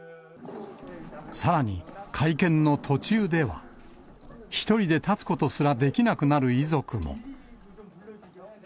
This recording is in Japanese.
さらに、会見の途中では、１人で立つことすらできなくなる遺族も。